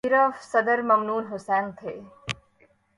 صرف صدر ممنون حسین تھے۔